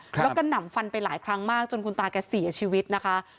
แล้วก็หนำฟันไปหลายครั้งมากจนคุณตาแกเสียชีวิตนะคะ